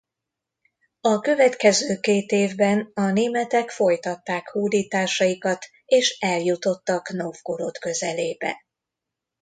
A következő két évben a németek folytatták hódításaikat és eljutottak Novgorod közelébe.